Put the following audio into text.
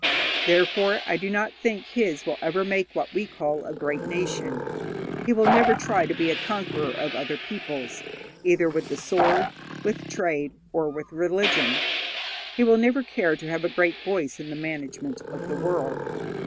Therefore I do not think his will ever make what we call a great nation. He will never try to be a conqueror of other peoples, either with the sword, with trade, or with religion. He will never care to have a great voice in the management of the world.